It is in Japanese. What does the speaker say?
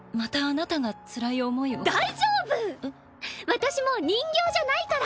私もう人形じゃないから。